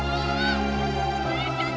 ibu ini jahat